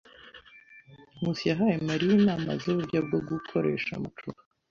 Nkusi yahaye Mariya inama zuburyo bwo gukoresha amacupa.